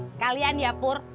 sekalian ya pur